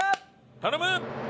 頼む！